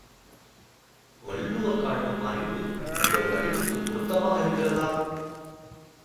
வள்ளுவர் காட்டும் அறிவு உங்கள் அறிவுக்கு பொருத்தமாக இருக்கிறதா?